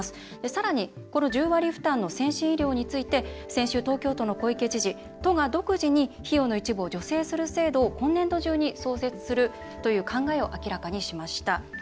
さらに、この１０割負担の先進医療について先週東京都の小池知事都が独自に費用の一部を助成する制度を今月中に創設する考えを明らかにしました。